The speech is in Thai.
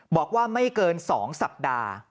บอกว่าไม่เกิน๒สัปดาห์